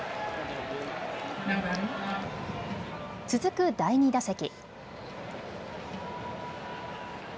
続く第２打席。